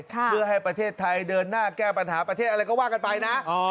เพื่อให้ประเทศไทยเดินหน้าแก้ปัญหาประเทศอะไรก็ว่ากันไปนะ